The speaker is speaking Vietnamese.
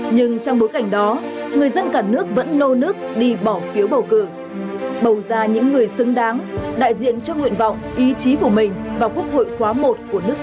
nhưng trong bối cảnh đó người dân cả nước vẫn nô nước đi bỏ phiếu bầu cử bầu ra những người xứng đáng cho nguyện vọng ý chí của mình và quốc hội khó khăn đặt ra đối với nước ta